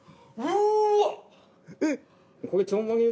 うーわっ！